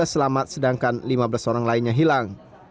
dua belas selamat sedangkan lima belas orang lainnya hilang